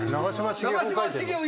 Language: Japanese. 「長嶋茂雄」